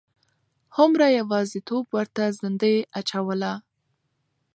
هومره یوازیتوب ورته زندۍ اچوله.